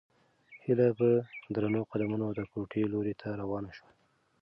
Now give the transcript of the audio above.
هیله په درنو قدمونو د کوټې لوري ته روانه شوه.